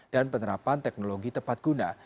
dan penerapan teknologi tepat guna